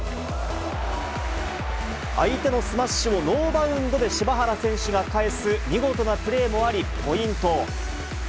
相手のスマッシュをノーバウンドで柴原選手が返す見事なプレーもあり、ポイント。